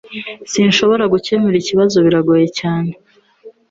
Sinshobora gukemura iki kibazo Birangoye cyane